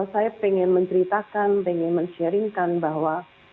saya ingin menceritakan ingin men sharingkan bahwa